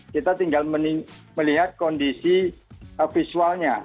kita tinggal melihat kondisi visualnya